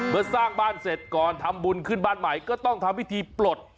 สร้างบ้านเสร็จก่อนทำบุญขึ้นบ้านใหม่ก็ต้องทำพิธีปลด